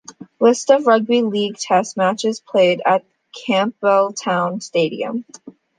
List of rugby league test matches played at Campbelltown Stadium.